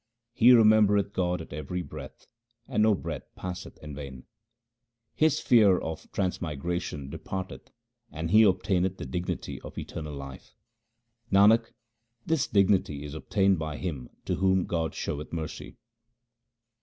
He remembereth God at every breath, and no breath passeth in vain. His fear of transmigration departeth and he obtaineth the dignity of eternal life. Nanak, this dignity is obtained by him to whom God showeth mercy.